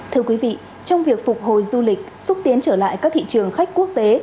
thưa quý vị trong việc phục hồi du lịch xúc tiến trở lại các thị trường khách quốc tế